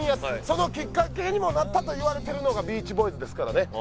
そのきっかけにもなったといわれてるのが『ビーチボーイズ』ですからね。